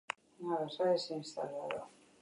El matrimonio duró cinco años.